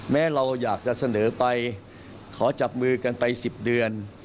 แม้เราอยากจะเสนอไปขอจับมือกันไป๑๐เดือน